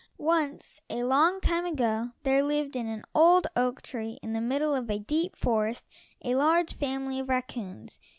Once, a long time ago, there lived in an old oak tree in the middle of a deep forest, a large family of raccoons.